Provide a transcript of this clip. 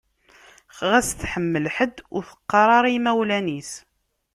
Ɣas tḥemmel ḥedd, ur teqqar ara i imawlan-is.